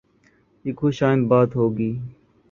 یہ خوش آئند بات ہو گی۔